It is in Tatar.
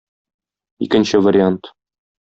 Икенче вариант.